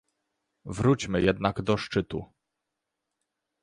Wróćmy jednak do szczytu